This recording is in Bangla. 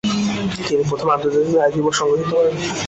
তিনি প্রথম আন্তর্জাতিক নারী দিবস সংগঠিত করেন।